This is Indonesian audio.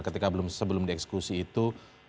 ketika sebelum dieksekusi itu